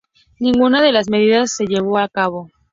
Ninguna de las medidas se llevó a cabo.